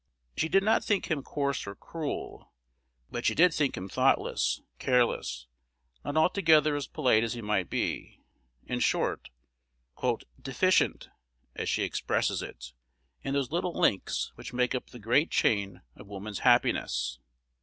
She did not think him coarse or cruel; but she did think him thoughtless, careless, not altogether as polite as he might be, in short, "deficient," as she expresses it, "in those little links which make up the great chain of woman's happiness."